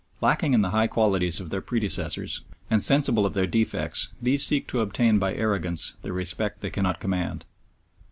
Lacking in the high qualities of their predecessors, and sensible of their defects, these seek to obtain by arrogance the respect they cannot command.